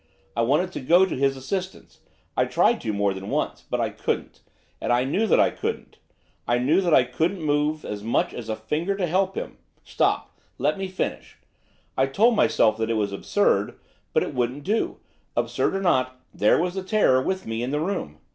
I wanted to go to his assistance, I tried to, more than once; but I couldn't, and I knew that I couldn't, I knew that I couldn't move as much as a finger to help him. Stop, let me finish! I told myself that it was absurd, but it wouldn't do; absurd or not, there was the terror with me in the room.